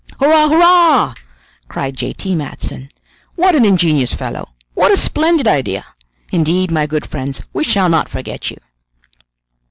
"Hurrah! hurrah!" cried J. T. Matson; "what an ingenious fellow! what a splendid idea! Indeed, my good friends, we shall not forget you!"